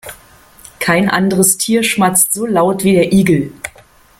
Kein anderes Tier schmatzt so laut wie der Igel.